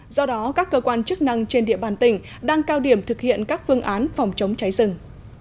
do đó các cơ quan chức năng trên địa bàn tỉnh đang cao điểm thực hiện các phương án phòng chống cháy rừng